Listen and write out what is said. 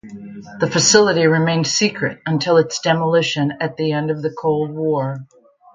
The facility remained secret until its demolition at the end of the Cold War.